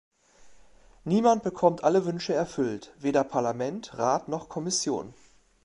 Niemand bekommt alle Wünsche erfüllt, weder Parlament, Rat noch Kommission.